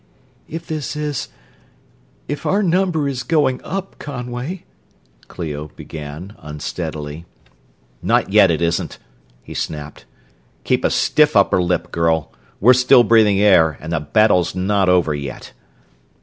"If this is ... if our number is going up, Conway," Clio began, unsteadily. "Not yet, it isn't!" he snapped. "Keep a stiff upper lip, girl. We're still breathing air, and the battle's not over yet!"